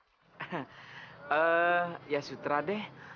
eee ya sutra deh